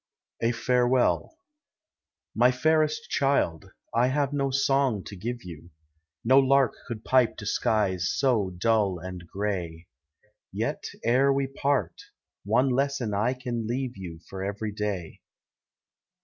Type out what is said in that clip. A FAR K WELL. My fairest cliild, I have no song to give von; No lark could pipe (o skies so dull and gray; Yet, ere we part, one lesson I can leave you For every day.